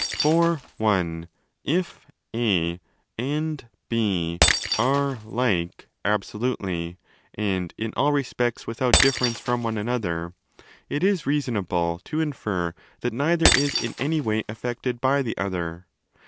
For (i) if A and B are 'like'— absolutely and in all respects without difference from one another—it is reasonable to infer that neither is in any way affected by the other.